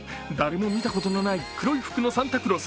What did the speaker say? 誰も見たことのない黒い服のサンタクロース。